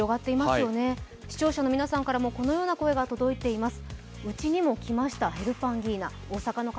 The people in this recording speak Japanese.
視聴者の皆さんからもこのような声が届いています。